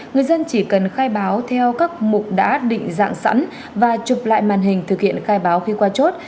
người dân chỉ cần khai báo theo các mục đã định dạng sẵn và chụp lại màn hình thực hiện khai báo khi qua chốt